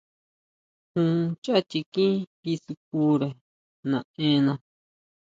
Jun chʼá chikín kisukire naʼena.